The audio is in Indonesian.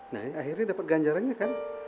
nah akhirnya dapat ganjarannya kan